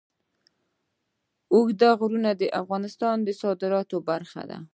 اوږده غرونه د افغانستان د صادراتو برخه ده.